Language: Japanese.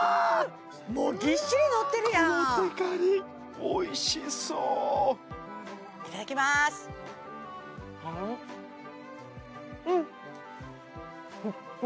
もうぎっしりのってるやんこのテカりおいしそういただきまーすうん！